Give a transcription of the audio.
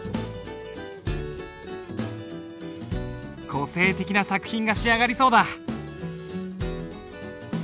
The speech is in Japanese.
個性的な作品が仕上がりそうだ。